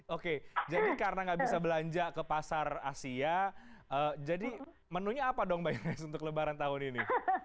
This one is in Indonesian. oke jadi karena nggak bisa belanja ke pasar asia jadi menunya apa dong mbak iris untuk lebaran tahun ini